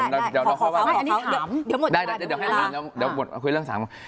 เดี๋ยวคุยเรื่องสาม